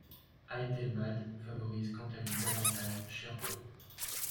Æthelbald favorise quant à lui davantage Sherborne.